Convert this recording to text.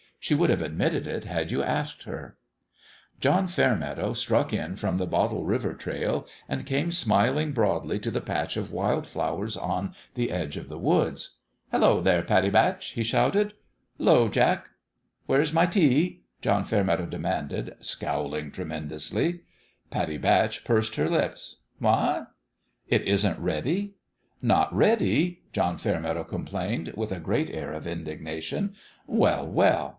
She would have admitted it had you asked her. John Fairmeadow struck in from the Bottle River Trail and came smiling broadly to the patch of wild flowers on the edge of the woods. " Hello, there, Pattie Batch !" he shouted. '"Lo, Jack!" " Where's my tea ?" John Fairmeadow de manded, scowling tremendously. Pattie Batch pursed her lips. " Eh ?" "It isn't ready." " Not ready !" John Fairmeadow complained, with a great air of indignation. " Well, well